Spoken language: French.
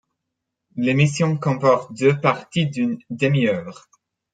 L'émission comporte deux parties d'une demi-heure.